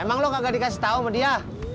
emang lo kagak dikasih tahu sama dia